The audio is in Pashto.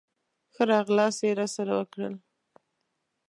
ښه راغلاست یې راسره وکړل.